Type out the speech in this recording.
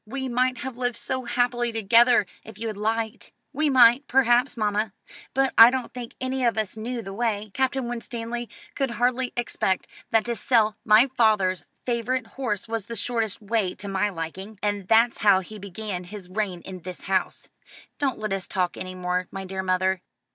We might have lived so happily together if you had liked." "We might, perhaps, mamma; but I don't think any of us knew the way. Captain Winstanley could hardly expect that to sell my father's favourite horse was the shortest way to my liking; and that's how he began his reign in this house. Don't let us talk any more, my dear mother.